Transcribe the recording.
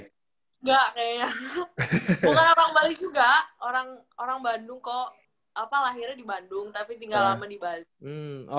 enggak kayaknya bukan abang bali juga orang bandung kok lahirnya di bandung tapi tinggal lama di bali